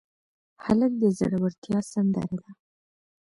هلک د زړورتیا سندره ده.